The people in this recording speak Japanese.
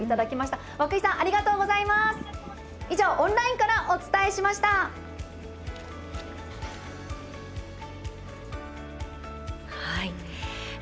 以上、オンラインからお伝えしました。